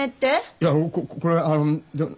いやここれあの。